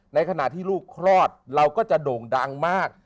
ในขณะที่ลูกคลอดเราก็จะโด่งดังมาก